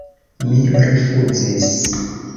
Mi rifuzis.